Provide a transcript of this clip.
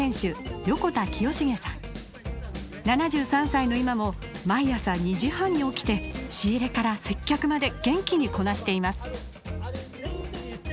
７３歳の今も毎朝２時半に起きて仕入れから接客まで元気にこなしています。